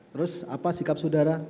terus apa sikap saudara